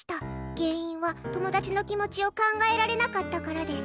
原因は友達の気持ちを考えられなかったからです。